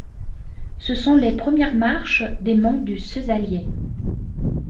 Ce sont les premières marches des monts du Cézallier.